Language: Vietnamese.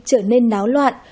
trở nên náo loạn